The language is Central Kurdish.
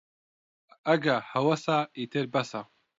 ئەگە هەوەسە، ئیتر بەسە